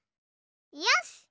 よし！